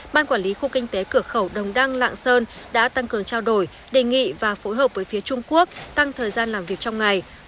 ban quản lý khu kinh tế cửa khẩu đồng đăng lạng sơn đã tăng cường trao đổi đề nghị và phối hợp với phía trung quốc tăng thời gian làm việc trong ngày